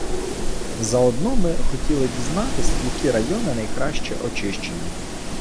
Заодно ми хотіли дізнатись, які райони найкраще очищені.